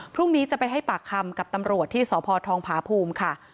พรุ่งนี้จะไปให้ปากคำกับตำรวจที่สพทองผาภูมิค่ะ